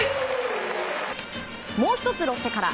もう１つ、ロッテから。